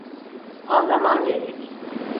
Anlaman gerek.